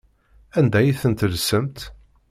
Anda ay ten-tellsemt?